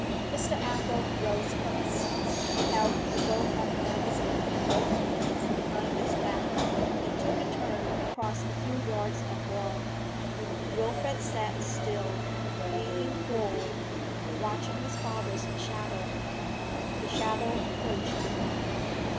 Mr. Athel rose from his seat, held the rolled up magazine in both hands behind his back, and took a turn across a few yards of lawn. Wilfrid sat still, leaning forward, watching his father's shadow. The shadow approached him.